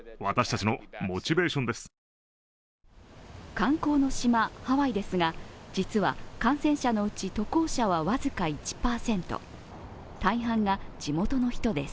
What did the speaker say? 観光の島ハワイですが、実は、感染者のうち渡航者は僅か１％、大半が地元の人です。